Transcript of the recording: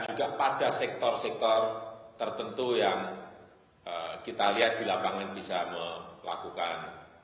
jadi ini adalah sektor sektor tertentu yang kita lihat di lapangan bisa melakukan